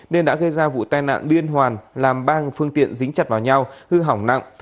nên đã gây ra vụ tai nạn biên hoàn làm bang phương tiện dính chặt vào nhau hư hỏng nặng